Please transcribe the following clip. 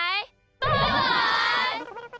バイバイ！